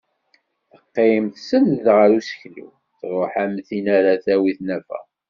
Teqqim tsenned ɣer useklu truḥ am tin ara tawi tnafa.